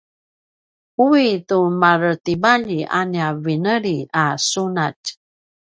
uwi tu maretimalji a nia vineli a sunatj